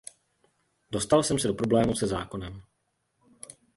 Dostal jsem se do problémů se zákonem.